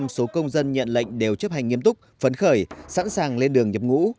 một mươi số công dân nhận lệnh đều chấp hành nghiêm túc phấn khởi sẵn sàng lên đường nhập ngũ